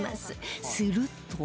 すると